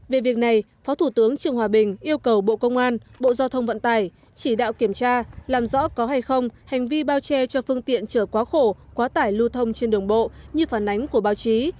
về việc này phó thủ tướng trường hòa bình yêu cầu bộ công an bộ giao thông vận tải chỉ đạo kiểm tra làm rõ có hay không hành vi bao che cho phương tiện chở quá khổ quá tải lưu thông trên đường bộ như phản ánh của báo chí